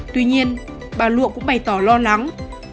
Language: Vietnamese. tuy nhiên bà lụa cũng bày tỏ lo lắng